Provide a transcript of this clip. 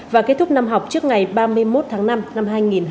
và kết thúc năm học trước ngày ba mươi một tháng năm năm hai nghìn hai mươi